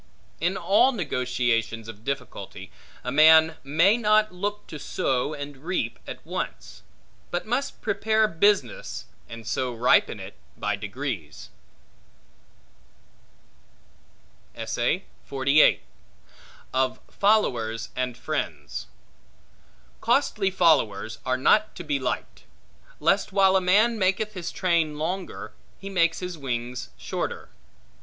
In all negotiations of difficulty, a man may not look to sow and reap at once; but must prepare business, and so ripen it by degrees. Of Followers And Friends COSTLY followers are not to be liked; lest while a man maketh his train longer, he make his wings shorter.